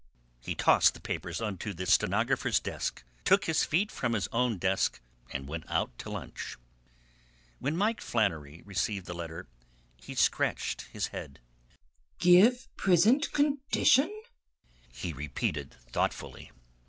He tossed the papers on to the stenographer's desk, took his feet from his own desk and went out to lunch. When Mike Flannery received the letter he scratched his head. "Give prisint condition," he repeated thoughtfully.